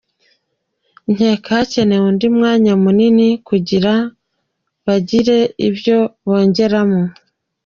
"Nkeka hakenewe uwundi mwanya munini kugira bagire ivyo bongeramwo.